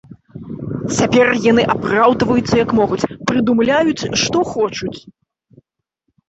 Цяпер яны апраўдваюцца, як могуць, прыдумляюць, што хочуць.